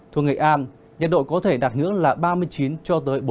thuận nghệ an nhà độ có thể đạt ngưỡng là ba mươi chín bốn mươi độ